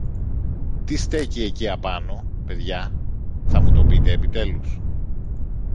Τι στέκει εκεί απάνω, παιδιά, θα μου το πείτε επιτέλους;